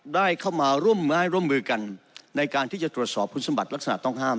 ได้เข้ามาร่วมไม้ร่วมมือกันในการที่จะตรวจสอบคุณสมบัติลักษณะต้องห้าม